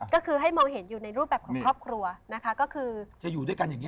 ก็คือให้มองเห็นอยู่ในรูปแบบของครอบครัว